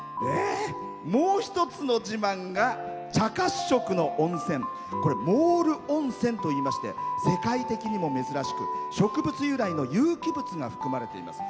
もう一つの自慢が、茶褐色の温泉モール温泉といいまして世界的にも珍しく植物由来の有機物が含まれています。